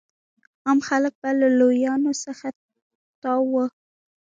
عام خلک به له لیونیانو څخه تاو وو.